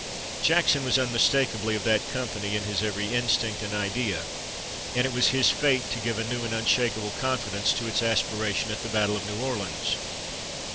Jackson was unmistakably of that company in his every instinct and idea, and it was his fate to give a new and unshakable confidence to its aspiration at the Battle of New Orleans.